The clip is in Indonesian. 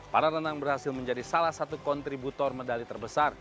para renang berhasil menjadi salah satu kontributor medali terbesar